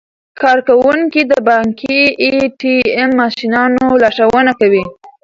کارکوونکي د بانکي ای ټي ایم ماشینونو لارښوونه کوي.